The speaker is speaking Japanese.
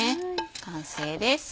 完成です。